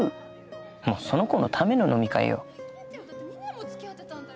もうその子ための飲み会よ。